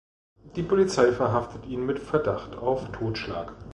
Die Polizei verhaftet ihn mit Verdacht auf Totschlag.